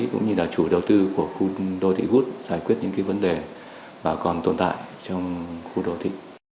cũng như là chủ đầu tư của khu đô thị hút giải quyết những vấn đề mà còn tồn tại trong khu đô thị